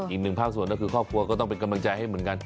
อีกหนึ่งภาคส่วนก็คือครอบครัวก็ต้องเป็นกำลังใจให้เหมือนกัน